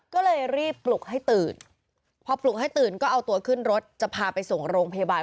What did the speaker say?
ก็เลยรีบปลุกให้ตื่นพอปลุกให้ตื่นก็เอาตัวขึ้นรถจะพาไปส่งโรงพยาบาล